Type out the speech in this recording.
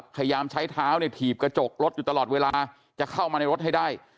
พยายามใช้เท้าเนี่ยถีบกระจกรถอยู่ตลอดเวลาจะเข้ามาในรถให้ได้